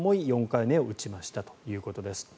４回目を打ちましたということです。